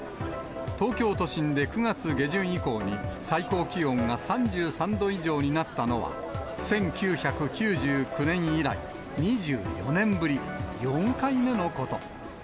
東京都心で９月下旬以降に最高気温が３３度以上になったのは１９９９年以来、２４年ぶり、４回目のこと。